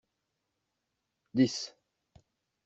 Dix.